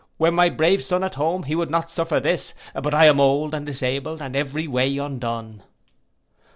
Were my brave son at home, he would not suffer this; but I am old, and disabled, and every way undone.